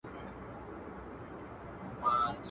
o پر پچه وختی، کشمير ئې وليدی.